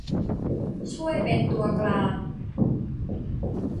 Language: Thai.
ช่วยเป็นตัวกลาง